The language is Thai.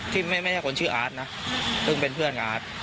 ที่ไม่ใช่คนชื่ออาร์ตนะซึ่งเป็นเพื่อนกับอาร์ต